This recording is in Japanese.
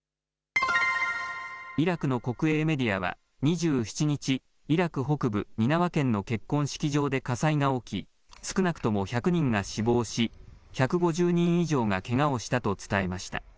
イラクの国営メディアは２７日、イラク北部ニナワ県の結婚式場で火災が起き、少なくとも１００人が死亡し、１５０人以上がけがをしたと伝えました。